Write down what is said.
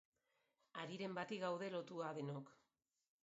Hariren bati lotuak gaude denok.